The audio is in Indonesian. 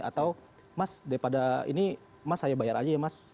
atau mas daripada ini mas saya bayar aja ya mas